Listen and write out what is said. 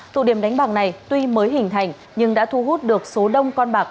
tụ điểm đánh bạc này tuy mới hình thành nhưng đã thu hút được số đông con bạc